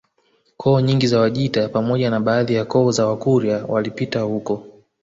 Koo nyingi za Wajita pamoja na baadhi ya koo za Wakurya walipita huko